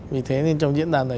vì thế nên trong diễn đàn này